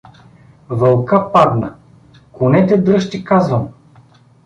Вълка падна… — Конете дръж, ти казвам!